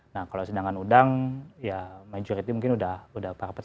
nah kalau sedangkan udang ya majority mungkin sudah parah parah